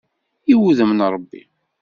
I wuddem n Ṛebbi!